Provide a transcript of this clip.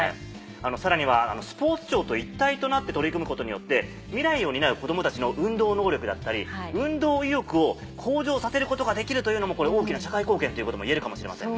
さらにはスポーツ庁と一体となって取り組むことによって未来を担う子供たちの運動能力だったり運動意欲を向上させることができるというのも大きな社会貢献ということも言えるかもしれませんね。